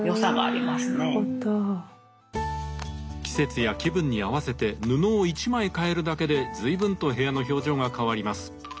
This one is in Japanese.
季節や気分に合わせて布を一枚替えるだけで随分と部屋の表情が変わります。